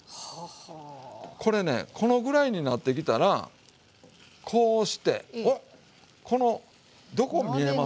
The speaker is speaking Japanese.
これねこのぐらいになってきたらこうしてこのどこ見えます？